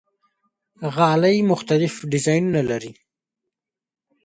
غالۍ مختلف ډیزاینونه لري.